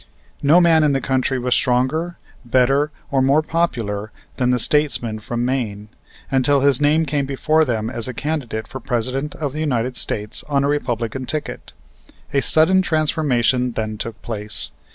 No man in the country was stronger, better or more popular than the statesman from Maine, until his name came before them as a candidate for President of the United States on a Republican ticket. A sudden transformation then took place.